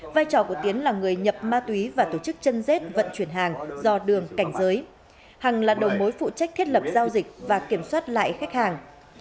vai trò của tiến là người nhập ma túy và tổ chức chân rết vận chuyển hàng do đường cảnh giới hằng là đầu mối phụ trách thiết lập giao dịch và kiểm soát lại khách hàng